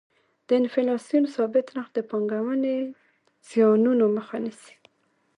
د انفلاسیون ثابت نرخ د پانګونې زیانونو مخه نیسي.